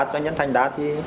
doanh nhân thanh đá